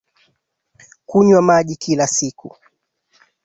Kunywa maji kila siku